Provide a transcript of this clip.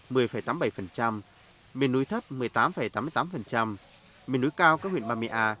miền núi thấp một mươi tám tám mươi tám miền núi cao các huyện ba mươi a ba mươi ba chín mươi